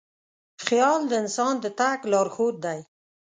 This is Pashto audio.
خیال د انسان د تګ لارښود دی.